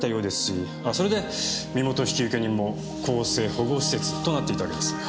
あそれで身元引受人も更生保護施設となっていたわけです。